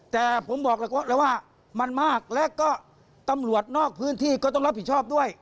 แต่ผมบอกแล้วว่ามันมากและก็ตำรวจนอกพื้นที่ก็ต้องรับผิดชอบด้วย